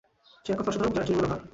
সে এক কথায় অসাধারণ যার জুড়ি মেলা ভার!